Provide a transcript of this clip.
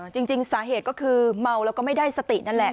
จริงสาเหตุก็คือเมาแล้วก็ไม่ได้สตินั่นแหละ